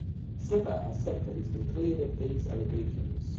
Slipper has said that he has been cleared of these allegations.